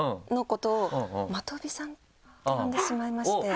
って呼んでしまいまして。